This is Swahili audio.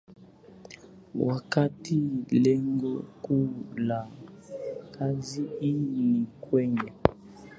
Wakati lengo kuu la kazi hii ni kwenye